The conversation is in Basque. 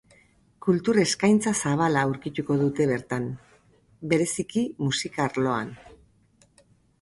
Kultur eskaintza zabala aurkituko dute bertan, bereziki musika arloan.